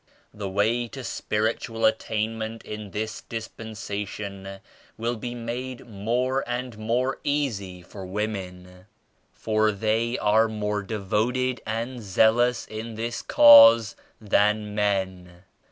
The way to spiritual attainment in this Dispen sation will be made more and more easy for women for they are more devoted and zealous in this Cause than men.